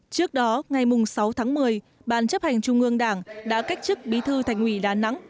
trước đó ngày sáu tháng một mươi ban chấp hành trung ương đảng đã cách chức bí thư thành ủy đà nẵng